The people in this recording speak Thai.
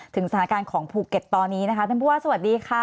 สถานการณ์ของภูเก็ตตอนนี้นะคะท่านผู้ว่าสวัสดีค่ะ